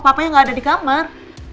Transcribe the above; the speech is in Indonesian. papa yang nggak ada di kamar